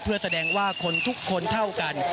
เพื่อแสดงว่าคนทุกคนเท่ากัน